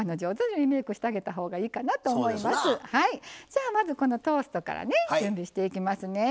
じゃあまずこのトーストからね準備していきますね。